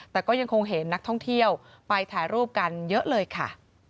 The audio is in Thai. แต่ก็ยังคงเห็นนักท่องเที่ยวไปถ่ายรูปกันเยอะเลยค่ะ